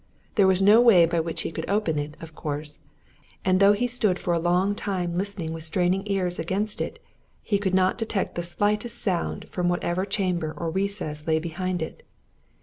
There was no way by which he could open it, of course, and though he stood for a long time listening with straining ears against it he could not detect the slightest sound from whatever chamber or recess lay behind it.